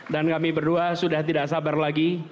dan kami berdua sudah tidak sabar lagi